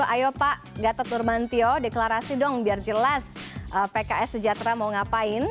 ayo pak gatot nurmantio deklarasi dong biar jelas pks sejahtera mau ngapain